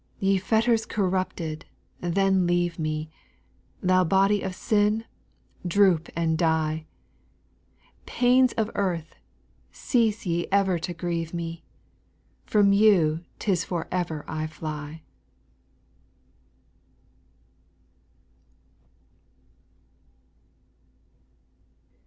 Ye fetters corrupted, then leave me ; Thou body of sin, droop and die ; Pains of earth, cease ye ever to grieve me, From you 't is for ever I fly.